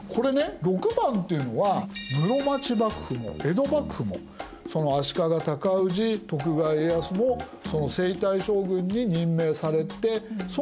⑥っていうのは室町幕府も江戸幕府も足利尊氏徳川家康も征夷大将軍に任命されてその時に幕府が出来た。